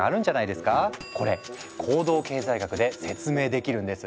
これ行動経済学で説明できるんです。